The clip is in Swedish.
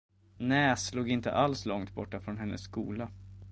Nääs låg inte alls långt borta från hennes skola.